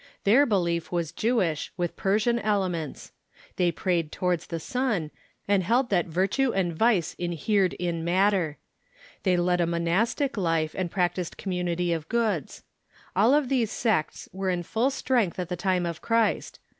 Their belief was Jewish, with Persian elements. They prayed towards the sun, and held that virtue and vice inhered in matter. They led a mo nastic life, and practised community of goods. All of these sects were in full strength at the time of Christ.